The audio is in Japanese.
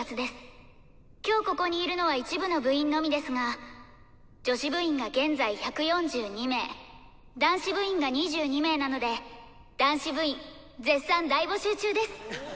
今日ここにいるのは一部の部員のみですが女子部員が現在１４２名男子部員が２２名なので男子部員絶賛大募集中です！